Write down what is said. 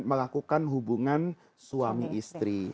melakukan hubungan suami istri